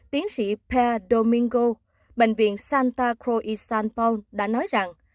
tiến sĩ per domingo bệnh viện santa cruz san paolo đã nói rằng